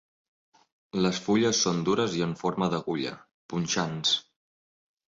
Les fulles són dures i en forma d'agulla, punxants.